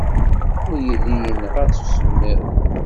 Ur yelli yenɣa-tt usemmiḍ.